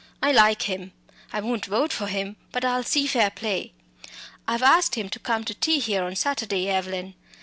I like him. I won't vote for him; but I'll see fair play. I've asked him to come to tea here on Saturday, Evelyn.